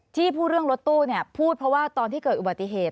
ที่พูดเรื่องรถตู้พูดเพราะว่าตอนที่เกิดอุบัติเหตุ